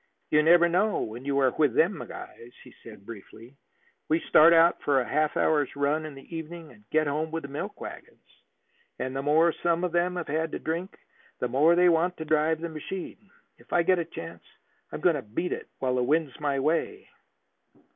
"You never know where you are with them guys," he said briefly. "We start out for half an hour's run in the evening, and get home with the milk wagons. And the more some of them have had to drink, the more they want to drive the machine. If I get a chance, I'm going to beat it while the wind's my way."